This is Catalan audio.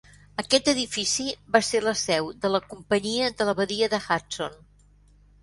Aquest edifici va ser la seu de la Companyia de la Badia de Hudson.